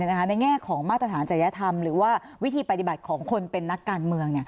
ในแง่ของมาตรฐานจริยธรรมหรือว่าวิธีปฏิบัติของคนเป็นนักการเมือง